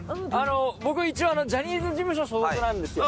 僕一応ジャニーズ事務所所属なんですよ。